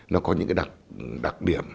nó có những cái đặc điểm